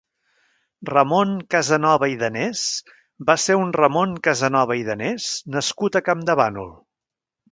Ramon Casanova i Danés va ser un ramon Casanova i Danés nascut a Campdevànol.